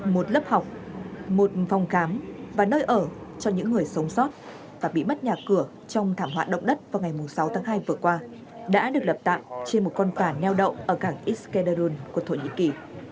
một lớp học một phòng khám và nơi ở cho những người sống sót và bị mất nhà cửa trong thảm họa động đất vào ngày sáu tháng hai vừa qua đã được lập tạm trên một con phản neo đậu ở càng iskenderun của thổ nhĩ kỳ